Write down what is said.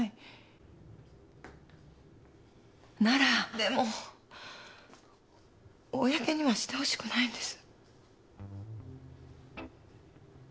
でも公にはしてほしくないんです。